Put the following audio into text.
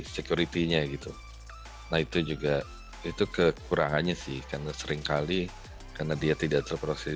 security nya gitu nah itu juga itu kekurangannya sih karena seringkali karena dia tidak terproses